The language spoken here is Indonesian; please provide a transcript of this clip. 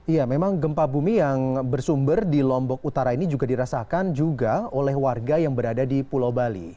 ya memang gempa bumi yang bersumber di lombok utara ini juga dirasakan juga oleh warga yang berada di pulau bali